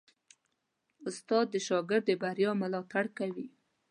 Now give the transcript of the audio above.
استاد د شاګرد د بریا ملاتړ کوي.